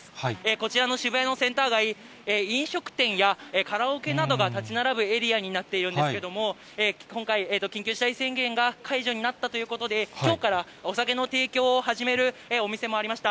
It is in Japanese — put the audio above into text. こちらの渋谷のセンター街、飲食店やカラオケなどが建ち並ぶエリアになっているんですけれども、今回、緊急事態宣言が解除になったということで、きょうからお酒の提供を始めるお店もありました。